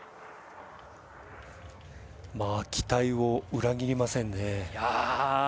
期待を裏切りませんね。